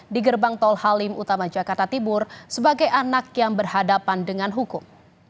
di gerbang tol halim utama jakarta timur sebagai anak yang berhadapan dengan hukum